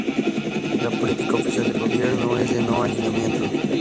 La política oficial del gobierno es de no-alineamiento.